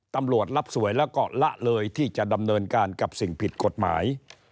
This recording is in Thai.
ตำรวจรับสวยแล้วก็ละเลยที่จะดำเนินการกับสิ่งผิดกฎหมาย